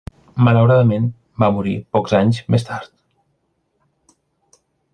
Malauradament, va morir pocs anys més tard.